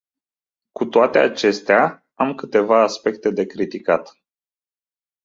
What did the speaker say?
Cu toate acestea, am câteva aspecte de criticat.